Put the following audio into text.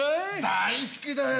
大好きだよ。